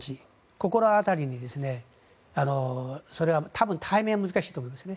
ここら辺りに多分対面は難しいと思いますね。